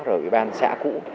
rồi bì băn xã cũ